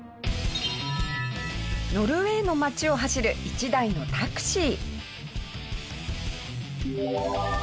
ノルウェーの街を走る１台のタクシー。